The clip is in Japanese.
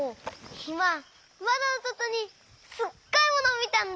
いままどのそとにすっごいものをみたんだ！